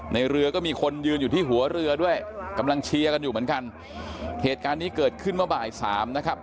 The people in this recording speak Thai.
ในเรือก็มีคนยืนอยู่ที่หัวเรือด้วยกำลังเชียร์กันอยู่เหมือนกันเหตุการณ์นี้เกิดขึ้นเมื่อบ่ายสามนะครับ